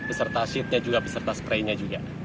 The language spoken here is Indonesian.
beserta sheetnya juga beserta spraynya juga